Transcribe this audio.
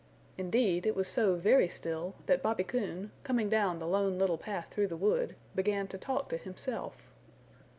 Indeed it was so very still that Bobby Coon, coming down the Lone Little Path through the wood, began to talk to himself.